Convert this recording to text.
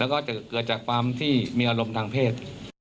แล้วก็จะเกิดจากความที่มีอารมณ์ทางเพศ